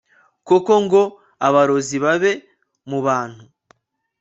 koko ngo abarozi babe mu bantu